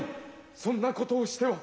そんなことをしては。